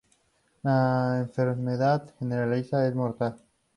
La enfermedad generalizada es mortal.